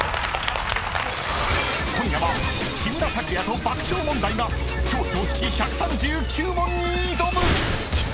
［今夜は木村拓哉と爆笑問題が超常識１３９問に挑む！］